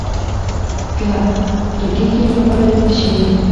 که غږېږي نو غلی دې شي.